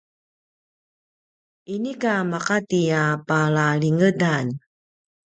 inika maqati a palalingedan